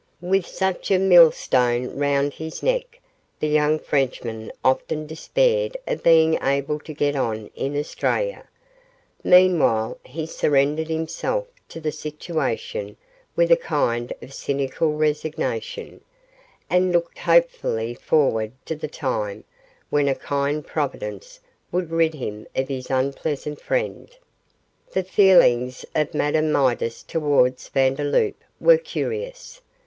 With such a millstone round his neck, the young Frenchman often despaired of being able to get on in Australia. Meanwhile he surrendered himself to the situation with a kind of cynical resignation, and looked hopefully forward to the time when a kind Providence would rid him of his unpleasant friend. The feelings of Madame Midas towards Vandeloup were curious.